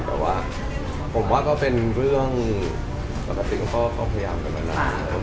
แต่ว่าเป็นเรื่องก็พยายามมานาน